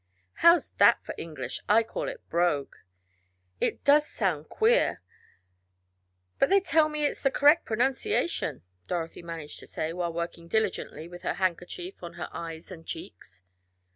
"How's that for English? I call it brogue." "It does sound queer, but they tell me it is the correct pronunciation," Dorothy managed to say, while working diligently with her handkerchief on her eyes and cheeks.